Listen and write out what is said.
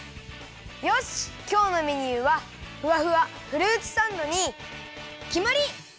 よしきょうのメニューはふわふわフルーツサンドにきまり！